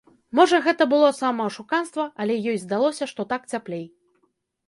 Можа гэта было самаашуканства, але ёй здалося, што так цяплей.